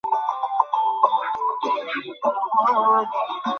উনি কতদিন ধরে অসুস্থ?